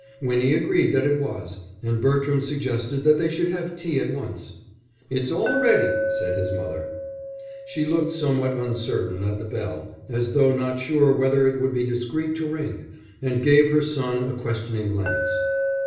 Winnie agreed that it was, and Bertram suggested that they should have tea at once. "It's all ready," said his mother. She looked somewhat uncertainly at the bell, as though not sure whether it would be discreet to ring, and gave her son a questioning glance.